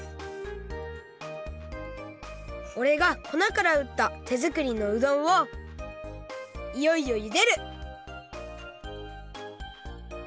おれがこなからうった手作りのうどんをいよいよゆでる！